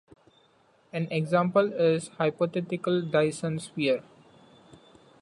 An example is the hypothetical Dyson sphere.